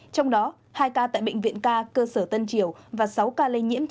trong đó hai ca tại bệnh viện ca cơ sở tân triều và sáu ca lây nhiễm